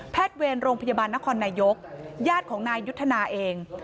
เวรโรงพยาบาลนครนายกญาติของนายยุทธนาเอง